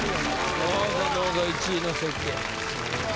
どうぞどうぞ１位の席へ。